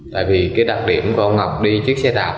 tại vì cái đặc điểm của ông ngọc đi chiếc xe đạp